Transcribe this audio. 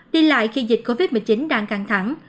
đi lại khi dịch covid một mươi chín đang căng thẳng